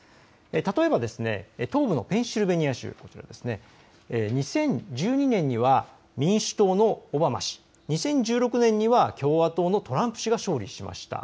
例えば東部ペンシルベニア州は２０１２年には民主党のオバマ氏、２０１６年には共和党のトランプ氏が勝利しました。